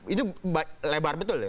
itu lebar betul ya